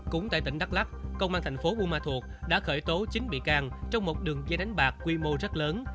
cũng tại tỉnh đắk lắc công an thành phố buôn ma thuột đã khởi tố chín bị can trong một đường dây đánh bạc quy mô rất lớn